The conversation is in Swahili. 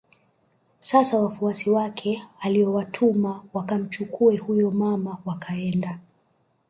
Sasa wafuasi wake aliowatuma wakamchukue huyo mama wakaenda